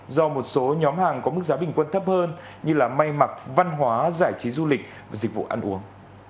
do một số nhóm hàng có mức giá bình quân thấp hơn như may mặc văn hóa giải trí du lịch và dịch vụ ăn uống